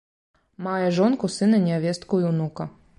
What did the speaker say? Мае жонку, сына, нявестку і ўнука.